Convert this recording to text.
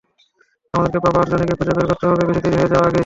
আমাদেরকে বাবা আর জনিকে খুঁজে বের করতে হবে বেশি দেরি হয়ে যাওয়ার আগেই।